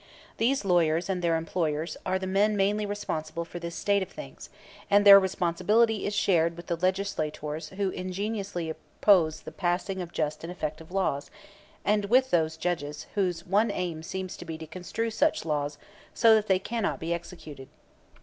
These lawyers and their employers are the men mainly responsible for this state of things, and their responsibility is shared with the legislators who ingeniously oppose the passing of just and effective laws, and with those judges whose one aim seems to be to construe such laws so that they cannot be executed.